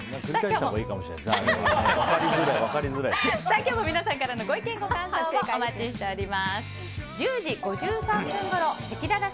今日も皆さんからのご意見、ご感想お待ちしています。